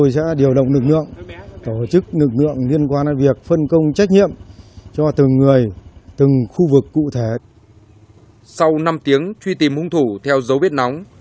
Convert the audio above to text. sau năm tiếng truy tìm hung thủ theo dấu vết nóng